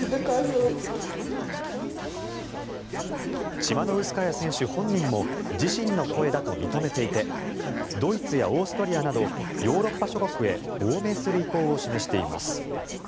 チマノウスカヤ選手本人も自身の声だと認めていてドイツやオーストリアなどヨーロッパ諸国へ亡命する意向を示しています。